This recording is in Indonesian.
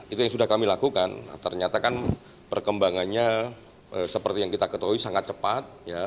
itu yang sudah kami lakukan ternyata kan perkembangannya seperti yang kita ketahui sangat cepat